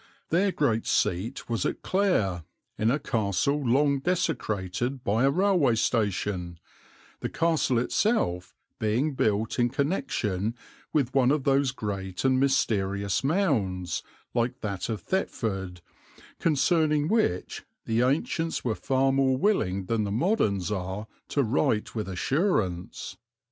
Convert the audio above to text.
Their great seat was at Clare, in a castle long desecrated by a railway station, the castle itself being built in connection with one of those great and mysterious mounds, like that of Thetford, concerning which the ancients were far more willing than the moderns are to write with assurance.